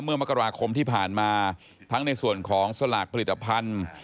เมื่อมกราคมที่ผ่านมาทั้งในส่วนของสลากผลิตภัณฑ์